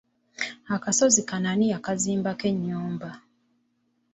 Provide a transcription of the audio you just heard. Akasozi ako ani yakazimbako ennyumba.